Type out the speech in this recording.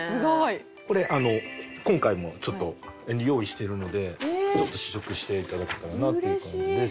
これ今回もちょっと用意してるので試食していただけたらなっていう感じです。